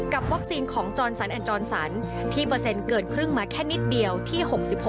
วัคซีนของจรสันแอนจรสันที่เปอร์เซ็นต์เกินครึ่งมาแค่นิดเดียวที่๖๖